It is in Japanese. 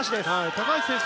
高橋選手